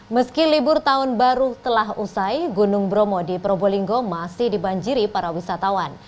meski libur tahun baru telah usai gunung bromo di probolinggo masih dibanjiri para wisatawan